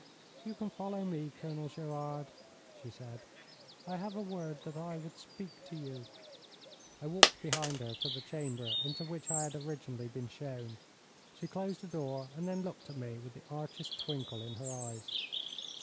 'You can follow me, Colonel Gerard,' she said. 'I have a word that I would speak to you.' I walked behind her to the chamber into which I had originally been shown. She closed the door, and then looked at me with the archest twinkle in her eyes.